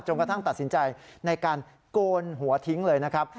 กระทั่งตัดสินใจในการโกนหัวทิ้งเลยนะครับ